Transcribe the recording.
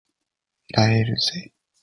萎えるぜ